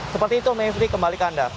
seperti itu mayfri kembali ke anda